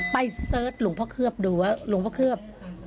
ไปเสิร์ชลุงพ่อเคือบดูว่าลุงพ่อเคือบ